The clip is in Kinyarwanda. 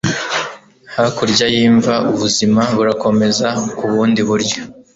hakurya y'imva, ubuzima burakomeza ku bundi buryo